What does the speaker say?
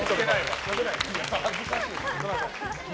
恥ずかしい。